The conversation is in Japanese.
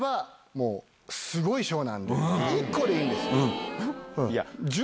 １個でいいんですよ！